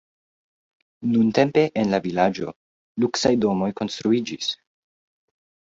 Nuntempe en la vilaĝo luksaj domoj konstruiĝis.